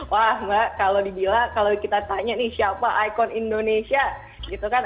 wah mbak kalau dibilang kalau kita tanya nih siapa ikon indonesia gitu kan